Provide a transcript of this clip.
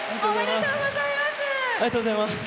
ありがとうございます。